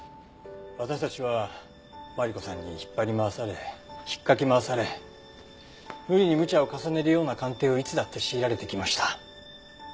私たちはマリコさんに引っ張り回され引っかき回され無理にむちゃを重ねるような鑑定をいつだって強いられてきました。